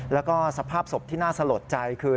แล้วก็สภาพศพที่น่าสลดใจคือ